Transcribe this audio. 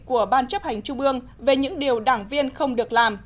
của ban chấp hành trung ương về những điều đảng viên không được làm